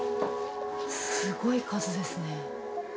すごい数ですね。